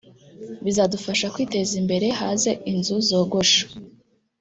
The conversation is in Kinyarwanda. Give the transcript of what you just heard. bizadufasha kwiteza imbere haze inzu zogosha